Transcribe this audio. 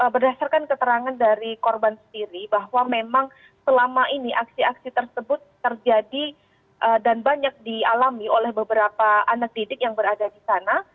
berdasarkan keterangan dari korban sendiri bahwa memang selama ini aksi aksi tersebut terjadi dan banyak dialami oleh beberapa anak didik yang berada di sana